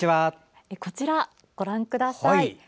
こちら、ご覧ください。